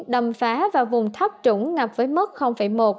đầm phá vào vùng thấp trũng ngập với mức một ba m